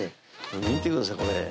見てくださいこれ！